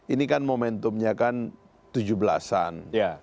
ini kan momentumnya kan tujuh belas an